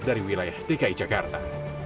dari wilayah dki jakarta